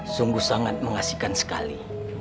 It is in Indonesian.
sungguh sangat mengasihkan sekali